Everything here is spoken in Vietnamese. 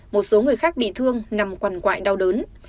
một số người khác bị thương nằm quần quại đau đớn